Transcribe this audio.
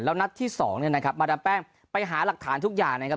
แล้วนัดที่สองมาดามแป้งไปหาหลักฐานทุกอย่าง